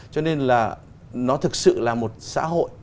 cho nên là nó thực sự là một xã hội